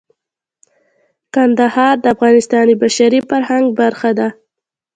کندهار د افغانستان د بشري فرهنګ برخه ده.